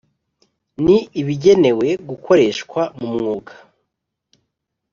N ibigenewe gukoreshwa mu mwuga